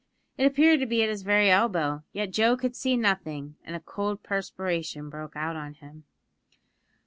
It appeared to be at his very elbow; yet Joe could see nothing, and a cold perspiration broke out on him.